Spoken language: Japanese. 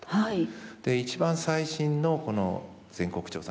で一番最新のこの全国調査のデータ